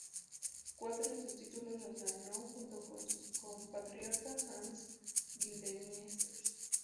Cuatro de sus títulos los ganó junto con su compatriota Hans Gildemeister.